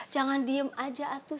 jangan diem aja atuh